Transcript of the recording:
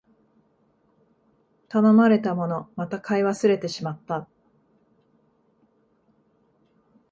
頼まれたもの、また買い忘れてしまった